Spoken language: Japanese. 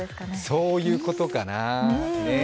そういうことかな、ねぇ。